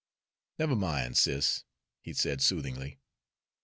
"Nev' min', sis," he said soothingly.